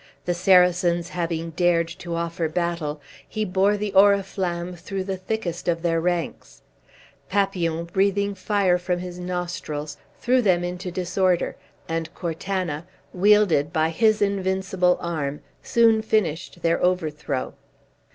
The Saracens having dared to offer battle, he bore the Oriflamme through the thickest of their ranks; Papillon, breathing fire from his nostrils, threw them into disorder, and Cortana, wielded by his invincible arm, soon finished their overthrow.